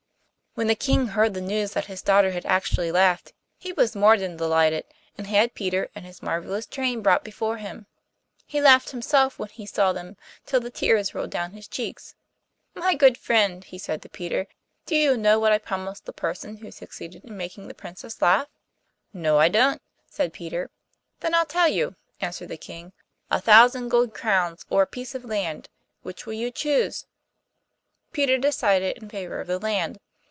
When the King heard the news that his daughter had actually laughed, he was more than delighted, and had Peter and his marvellous train brought before him. He laughed himself when he saw them till the tears rolled down his cheeks. 'My good friend,' he said to Peter, 'do you know what I promised the person who succeeded in making the Princess laugh?' 'No, I don't,' said Peter. 'Then I'll tell you,' answered the King; 'a thousand gold crowns or a piece of land. Which will you choose?' Peter decided in favour of the land.